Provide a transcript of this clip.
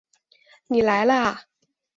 你来了啊